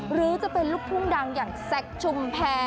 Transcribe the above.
หรือจะเป็นลูกทุ่งดังอย่างแซคชุมแพร